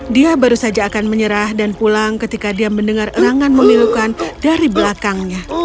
dia baru saja akan menyerah dan pulang ketika dia mendengar erangan memilukan dari belakangnya